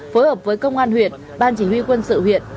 phối hợp với công an huyện ban chỉ huy quân sự huyện